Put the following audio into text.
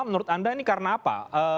menurut anda ini karena apa